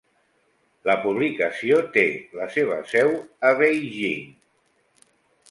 La publicació té la seva seu a Beijing.